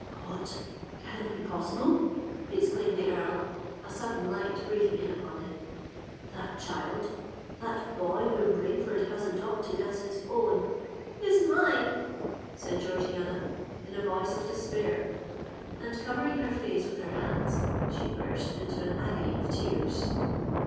"What! can it be possible?" exclaimed the Earl, a sudden light breaking in upon him: "that child—that boy, whom Rainford has adopted as his own——" "Is mine!" said Georgiana, in a voice of despair;—and, covering her face with her hands, she burst into an agony of tears.